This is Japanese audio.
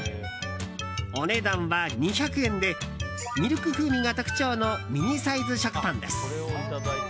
お値段は２００円でミルク風味が特徴のミニサイズ食パンです。